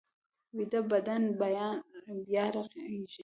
ویده بدن بیا رغېږي